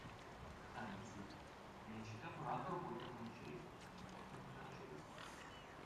Anzi, mi ha citato un altro poeta francese, in francese